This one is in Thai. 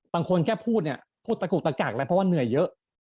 บางคนแค่พูดเนี่ยพูดตะกุกตะกักแล้วเพราะว่าเหนื่อยเยอะ